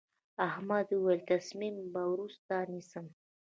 احمد وويل: تصمیم به وروسته نیسم.